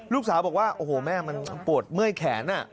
ลูกสาวบอกว่าโอ้โหแม่มันปวดเมื่อยแขน